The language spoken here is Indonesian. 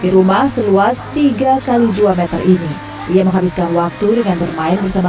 di rumah seluas tiga x dua meter ini ia menghabiskan waktu dengan bermain bersama